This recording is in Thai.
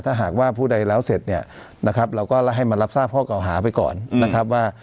ถ้าหากว่าผู้ใดแล้วเสร็จเนี่ยนะครับเราก็ให้มารับทราบข้อเก่าหาไปก่อนนะครับว่า